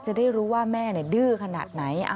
จะได้รู้ว่าแม่ดื้อขนาดไหน